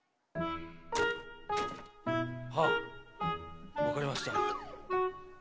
はぁわかりました。